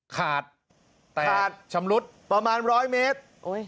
ขาดแตกขาดชำรุดประมาณ๑๐๐เมตร